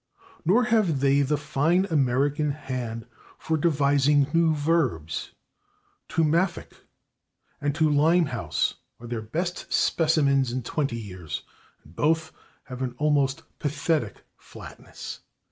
Nor have they the fine American hand for devising new verbs; /to maffick/ and /to limehouse/ are their best specimens in twenty years, and both have an almost pathetic flatness.